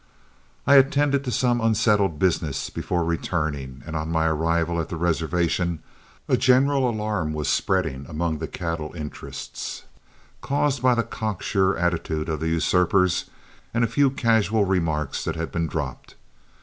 I attended to some unsettled business before returning, and, on my arrival at the reservation, a general alarm was spreading among the cattle interests, caused by the cock sure attitude of the usurpers and a few casual remarks that had been dropped.